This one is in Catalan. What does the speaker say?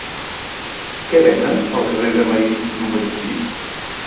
Què venen al carrer de Marí número sis?